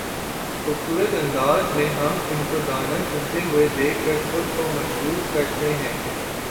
خوبصورت انداز میں ہم ان کو دانہ چنتے ہوئے دیکھ کر خود کو محظوظ کرتے ہیں